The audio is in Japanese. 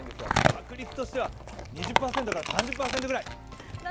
確率としては２０％から３０％くらい。